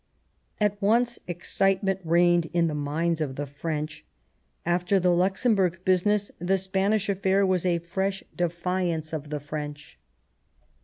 At once excitement reigned in the minds of the French ; after the Luxemburg business, the Spanish affair was a fresh defiance of the French.